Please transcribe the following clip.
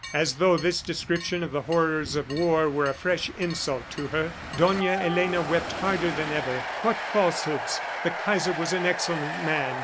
As though this description of the horrors of war were a fresh insult to her, Dona Elena wept harder than ever. What falsehoods! The Kaiser was an excellent man.